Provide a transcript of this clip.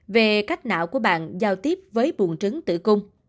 về cách não của bạn giao tiếp với buồn trứng tử cung